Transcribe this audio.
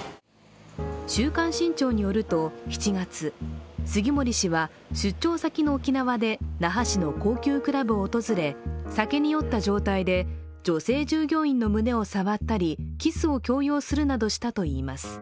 「週刊新潮」によると、７月杉森氏は、出張先の沖縄で那覇市の高級クラブを訪れ、酒に酔った状態で女性従業員の胸を触ったりキスを強要するなどしたといいます。